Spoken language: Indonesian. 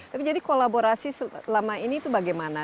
tapi jadi kolaborasi selama ini itu bagaimana